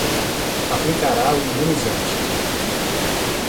Aplicará o imunizante